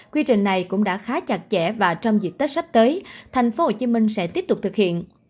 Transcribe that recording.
quy trình này cũng đã khá chặt chẽ và trong dịp tết sắp tới tp hcm sẽ tiếp tục thực hiện